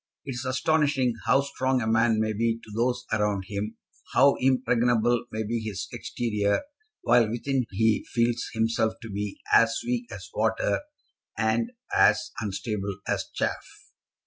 It is astonishing how strong a man may be to those around him, how impregnable may be his exterior, while within he feels himself to be as weak as water, and as unstable as chaff.